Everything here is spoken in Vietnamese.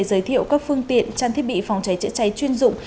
giới thiệu các phương tiện trang thiết bị phòng cháy chữa cháy chuyên dụng